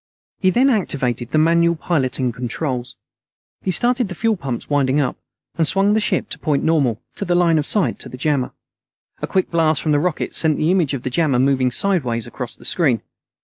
He then activated the manual piloting controls. He started the fuel pumps winding up, and swung the ship to point normal to the line of sight to the jammer. A quick blast from the rockets sent the image of the jammer moving sideways across the screen.